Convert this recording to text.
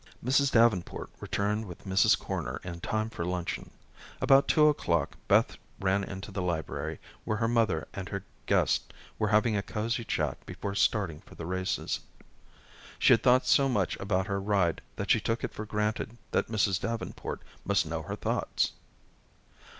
Mrs. Davenport returned with Mrs. Corner in time for luncheon. About two o'clock Beth ran into the library where her mother and her guest were having a cozy chat before starting for the races. She had thought so much about her ride that she took it for granted that Mrs. Davenport must know her thoughts.